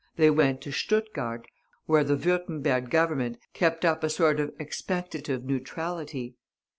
They went to Stuttgart, where the Würtemberg Government kept up a sort of expectative neutrality.